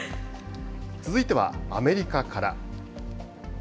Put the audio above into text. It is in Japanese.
続いては、アメリカから。